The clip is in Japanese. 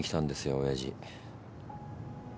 おやじ。